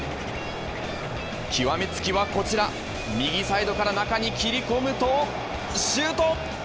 極め付きはこちら、右サイドから中に切り込むと、シュート！